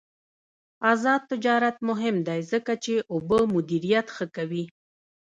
آزاد تجارت مهم دی ځکه چې اوبه مدیریت ښه کوي.